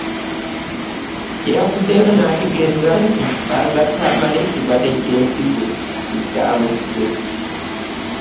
Yavuddeyo n'ategeezza nti Ffaaza Tamale ekirwadde ky'ensigo kye kyamusse.